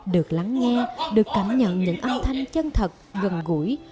được lắng nghe được cảm nhận những âm thanh chân thật gần gũi